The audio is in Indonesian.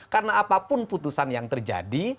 karena apapun putusan yang terjadi